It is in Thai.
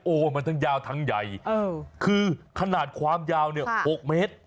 โอ้โหมันทั้งยาวทั้งใหญ่คือขนาดความยาวเนี่ย๖เมตร